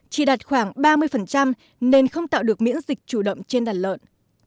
chỉ đạt khoảng ba mươi nên không tạo được miễn dịch chủ động trên đàn lợn